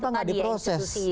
kenapa nggak diproses